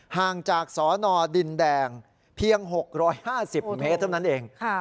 ห่างจากสนดินแดงเพียง๖๕๐เมตรเท่านั้นเอง